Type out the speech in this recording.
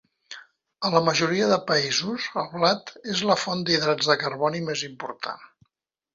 A la majoria de països, el blat és la font d'hidrats de carboni més important.